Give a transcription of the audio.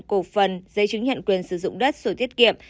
cổ phần giấy chứng nhận quyền sử dụng đất sổ tiết kiệm